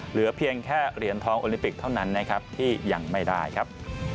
เหลือเพียงแค่เหรียญทองโอลิมปิกเท่านั้นนะครับที่ยังไม่ได้ครับ